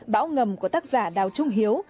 bão ngầm của tác giả đào trung hiếu